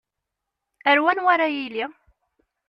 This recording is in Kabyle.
Ar wanwa ara yili?